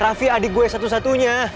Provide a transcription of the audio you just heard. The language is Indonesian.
raffi adik gue satu satunya